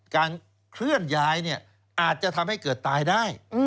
การเคลื่อนย้ายอาจจะทำให้เกิดตายได้